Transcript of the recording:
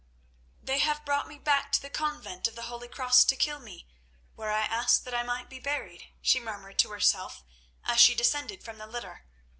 "They have brought me back to the Convent of the Holy Cross to kill me where I asked that I might be buried," she murmured to herself as she descended from the litter.